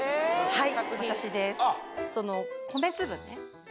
はい。